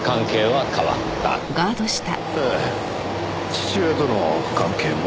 父親との関係も。